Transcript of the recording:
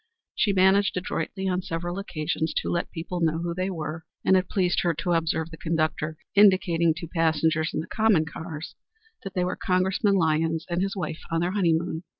She managed adroitly on several occasions to let people know who they were, and it pleased her to observe the conductor indicating to passengers in the common cars that they were Congressman Lyons and his wife on their honeymoon.